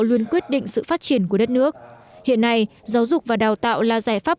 luôn quyết định sự phát triển của đất nước hiện nay giáo dục và đào tạo là giải pháp